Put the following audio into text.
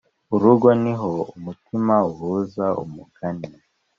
urugo niho umutima uhuza umugani